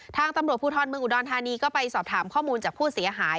ทางตำรวจภูทรเมืองอุดรธานีก็ไปสอบถามข้อมูลจากผู้เสียหาย